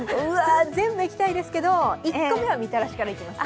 全部いきたいですけど、１個目はみたらしからいきます。